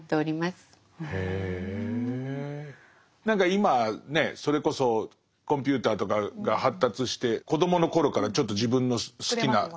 何か今ねそれこそコンピューターとかが発達して子どもの頃からちょっと自分の好きな。